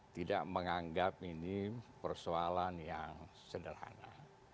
tidak menganggap ini persoalan yang sederhana